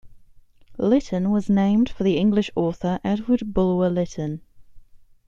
Lytton was named for the English author Edward Bulwer-Lytton.